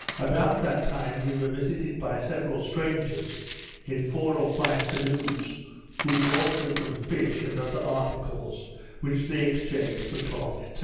About that time, we were visited by several strangers, in four or five canoes, who brought with them fish, and other articles, which they exchanged for cloth, &c.